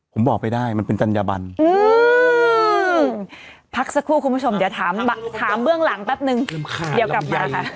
ผมบอกไปได้มันเป็นจัญญบันพักสักครู่คุณผู้ชมเดี๋ยวถามเบื้องหลังแป๊บนึงเดี๋ยวกลับมาค่ะ